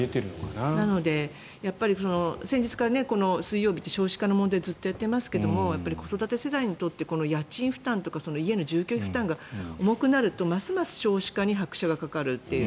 なので、やっぱり先日からこの水曜日って少子化の問題をずっとやってますけど子育て世代にとってこの家賃負担とか家の住居費負担が重くなるとますます少子化に拍車がかかるという。